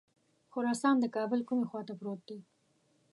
خراسان د کابل کومې خواته پروت دی.